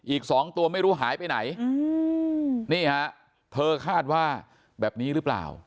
อีกสองตัวไม่รู้หายไปไหนนี่ฮะเธอคาดว่าแบบนี้หรือเปล่า